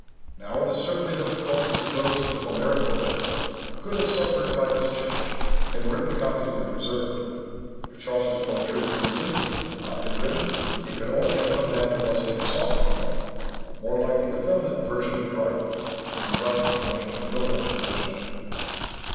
Now it is certainly difficult to suppose that the Homeric poems could have suffered by this change, had written copies been preserved. If Chaucer's poetry, for instance, had not been written, it could only have come down to us in a softened form, more like the effeminate version of Dryden, than the rough, quaint, noble original.